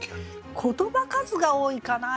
言葉数が多いかな